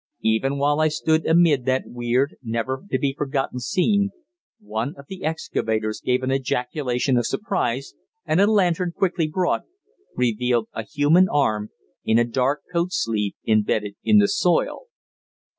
Even while I stood amid that weird, never to be forgotten scene, one of the excavators gave an ejaculation of surprise, and a lantern, quickly brought, revealed a human arm in a dark coat sleeve embedded in the soil.